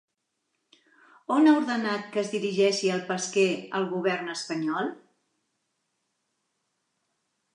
On ha ordenat que es dirigeixi el pesquer el govern espanyol?